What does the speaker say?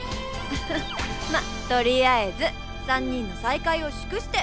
フフッまっとりあえず３人の再会を祝して。